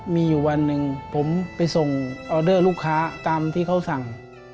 มีอยู่วันหนึ่งผมไปส่งออเดอร์ลูกค้าตามที่เขาสั่ง